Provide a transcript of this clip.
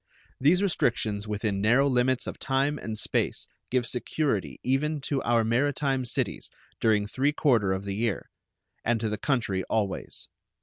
These restrictions within narrow limits of time and space give security even to our maritime cities during three quarter of the year, and to the country always.